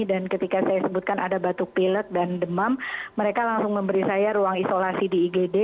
dan ketika saya sebutkan ada batuk pilek dan demam mereka langsung memberi saya ruang isolasi di igd